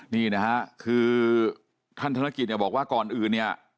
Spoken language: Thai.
นี่นะฮะคือท่านธนกิจเนี่ยบอกว่าก่อนอื่นเนี่ย